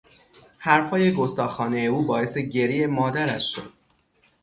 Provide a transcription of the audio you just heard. حرفهای گستاخانهی او باعث گریهی مادرش شد.